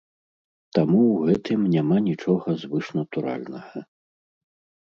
Таму ў гэтым няма нічога звышнатуральнага.